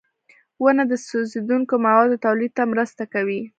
• ونه د سوځېدونکو موادو تولید ته مرسته کوي.